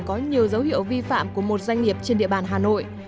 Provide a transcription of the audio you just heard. có nhiều dấu hiệu vi phạm của một doanh nghiệp trên địa bàn hà nội